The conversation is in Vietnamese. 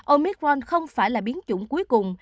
omicron không phải là biến chủng cuối cùng